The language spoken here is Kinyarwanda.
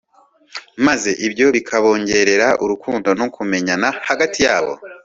maze ibyo bikabongerera urukundo no kumenyana hagati yabo